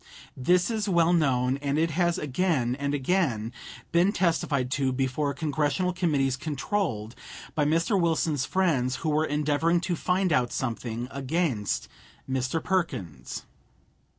This is well known, and it has again and again been testified to before Congressional committees controlled by Mr. Wilson's friends who were endeavoring to find out something against Mr. Perkins.